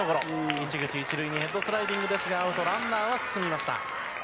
市口、ヘッドスライディングですが、アウト、ランナーは進みました。